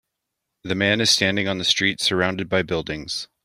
The man is standing on the street surounded by buildings.